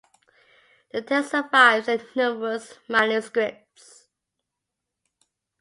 The text survives in numerous manuscripts.